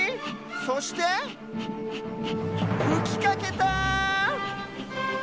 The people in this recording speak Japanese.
そしてふきかけた！